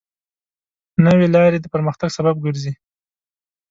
نوې لارې د پرمختګ سبب ګرځي.